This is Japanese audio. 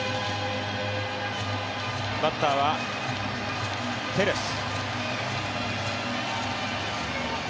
バッターはテレス。